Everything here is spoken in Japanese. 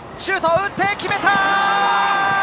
シュートを打って、決めた！